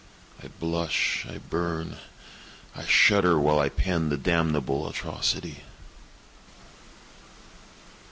I blush, I burn, I shudder, while I pen the damnable atrocity.